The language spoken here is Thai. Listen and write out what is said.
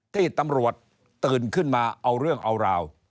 ที่ตำรวจตื่นขึ้นมาเอาเรื่องเอาราว